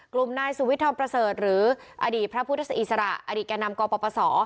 กลุ่มนายสุวิธรประเสริฐหรืออดีตพระพุทธศาสตร์อิสระอดีตแก่นำกรปภศ